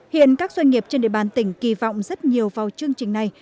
hiện các doanh nghiệp trên địa bàn tỉnh kỳ vọng rất nhiều vào chương trình này